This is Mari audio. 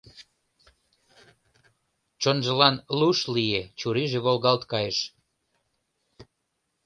Чонжылан луш лие, чурийже волгалт кайыш.